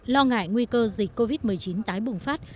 lo ngại nguy cơ dịch covid một mươi chín tái bùng phát